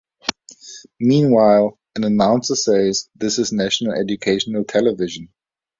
Meanwhile, an announcer says, This is National Educational Television.